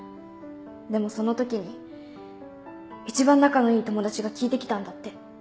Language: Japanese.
でもその時に一番仲のいい友達が聞いてきたんだって。